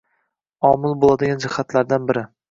omil bo‘ladigan jihatlardan biri